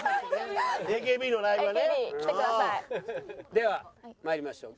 では参りましょう。